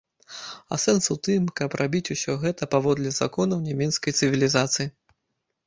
А сэнс у тым, каб рабіць усё гэта паводле законаў нямецкай цывілізацыі.